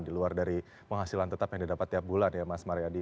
di luar dari penghasilan tetap yang didapat tiap bulan ya mas mariadi